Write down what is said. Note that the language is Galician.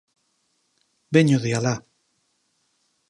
_Veño de alá.